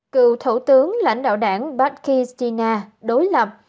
cựu thủ tướng lãnh đạo đảng pakistina đối lập